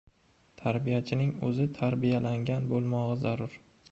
…Tarbiyachining o‘zi tarbiyalangan bo‘lmog‘i zarur.